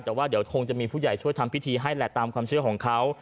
แต่ว่าเดี๋ยวคงจะมีผู้ใหญ่ช่วยทำพิธีให้แหละตามความเชื่อของเขา